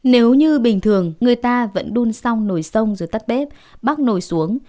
nếu như bình thường người ta vẫn đun sông nổi sông rồi tắt bếp bắt nổi xuống